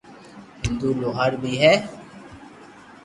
ھندو لوھار بي ھي